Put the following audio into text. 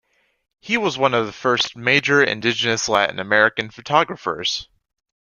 He was one of the first major indigenous Latin American photographers.